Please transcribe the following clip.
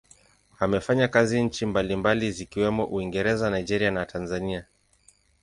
Amefanya kazi nchi mbalimbali zikiwemo Uingereza, Nigeria na Tanzania.